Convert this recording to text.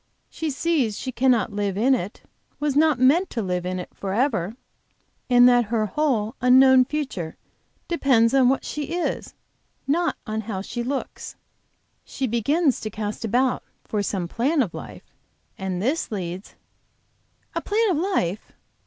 She see she cannot live in it, was not meant to live in it forever, and that her whole unknown future depends on what she is, not on how she looks. She begins to cast about for some plan of life, and this leads " "A plan of life?"